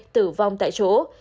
tử vong tại chỗ